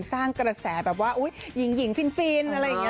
สร้างกระแสแบบว่าอุ๊ยหญิงหญิงฟินฟินอะไรอย่างเงี้ย